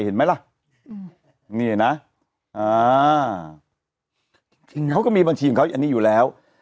เห็นไหมล่ะอืมนี่เห็นไหมอ่าเขาก็มีบัญชีของเขาอันนี้อยู่แล้ว